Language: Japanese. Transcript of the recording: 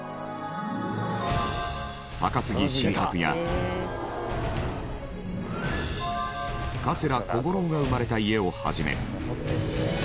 高杉晋作や桂小五郎が生まれた家を始め。